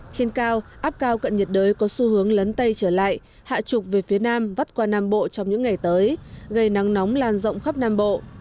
trên cao áp cao cận nhiệt đới có xu hướng lấn tây trở lại hạ trục về phía nam vắt qua nam bộ trong những ngày tới gây nắng nóng lan rộng khắp nam bộ